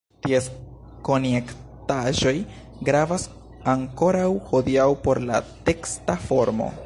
Ties konjektaĵoj gravas ankoraŭ hodiaŭ por la teksta formo.